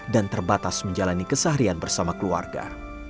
dan terbatas menjalani kesahrian bersama keluarga